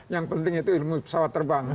yang penting itu ilmu pesawat terbang